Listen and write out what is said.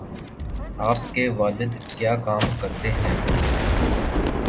آپ کے والد کیا کام کرتے ہیں